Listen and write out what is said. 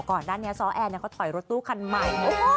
ก่อนนั้นซอแอเขาต่อยรถตู้คันใหม่